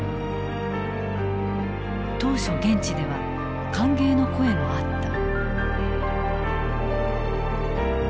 当初現地では歓迎の声もあった。